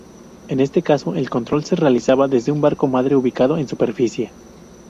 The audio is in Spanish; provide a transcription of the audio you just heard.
En este caso, el control se realizaba desde un barco madre ubicado en superficie.